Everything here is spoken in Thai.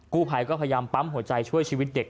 กู้ภัยก็พยายามปั๊มหัวใจช่วยชีวิตเด็ก